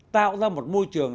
tạo ra một môi trường